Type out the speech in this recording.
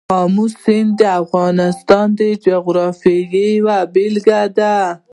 آمو سیند د افغانستان د جغرافیې یوه بېلګه ده.